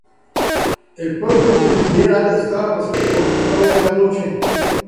El propio Fitzgerald estaba presente con su "Suave es la Noche.